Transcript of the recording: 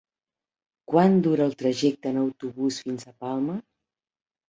Quant dura el trajecte en autobús fins a Palma?